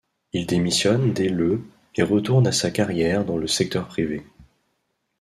Il démissionne dès le et retourne à sa carrière dans le secteur privé.